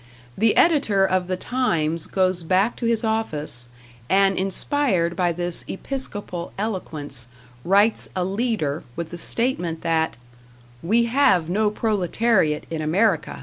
The editor of the "Times" goes back to his office, and inspired by this episcopal eloquence writes a "leader" with the statement that: "#We have no proletariat in America!